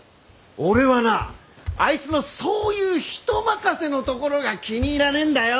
俺はなあいつのそういう人任せのところが気に入らねえんだよ！